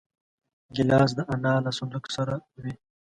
ګیلاس د انا له صندوق سره وي.